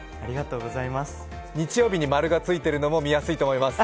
日曜日にマルがついているのも見やすいと思います。